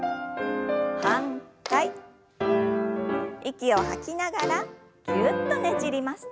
息を吐きながらぎゅっとねじります。